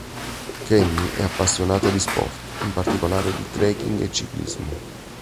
Kenny è appassionato di sport, in particolare di trekking e ciclismo.